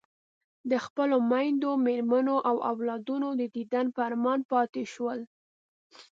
د خپلو میندو، مېرمنو او اولادونو د دیدن په ارمان پاتې شول.